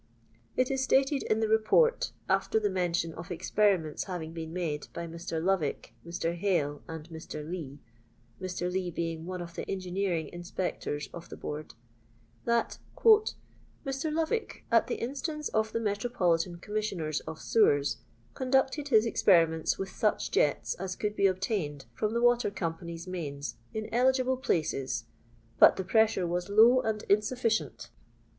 It is stated in the Report, after the mention of experiments having been made by Mr. Lovick, Mr. Hale, and Mr. Lee (Mr. Lee being one of the engineering inspectors of the Board), that "Mr. Lovick, at the instance of the Metro politan Commissioners of Sewers, conducted his experiments with such jets as could be obtained from the water companies' mains in eligible places; but the pressure wns low and insufficient.